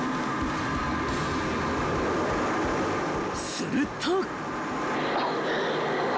［すると］